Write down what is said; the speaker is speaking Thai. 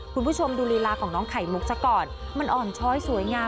คุณผู้ชมดูลีลาของน้องไข่มุกซะก่อนมันอ่อนช้อยสวยงาม